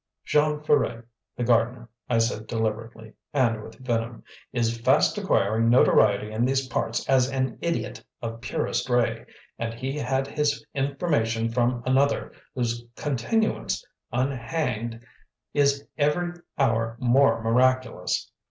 "Jean Ferret, the gardener." I said deliberately, and with venom, "is fast acquiring notoriety in these parts as an idiot of purest ray, and he had his information from another whose continuance unhanged is every hour more miraculous."